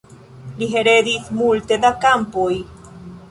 Li heredis multe da kampoj.